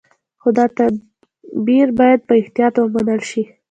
خو دا تعبیر باید په احتیاط ومنل شي.